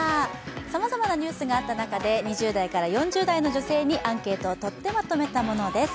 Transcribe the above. さまざまなニュースがあった中で２０代から４０代の女性にアンケートを取ってまとめたものです。